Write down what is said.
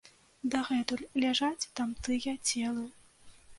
Дагэтуль ляжаць там тыя целы.